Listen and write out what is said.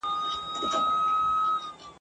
د لېوه زوی نه اموخته کېږي ..